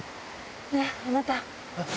ねっあなた。